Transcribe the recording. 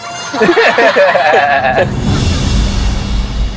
โอ้โห